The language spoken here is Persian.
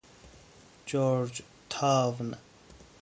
جورج تاون